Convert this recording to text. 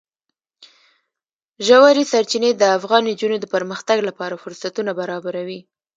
ژورې سرچینې د افغان نجونو د پرمختګ لپاره فرصتونه برابروي.